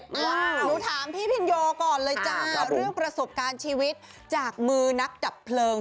หนูถามพี่พินโยก่อนเลยจ้าเรื่องประสบการณ์ชีวิตจากมือนักดับเพลิง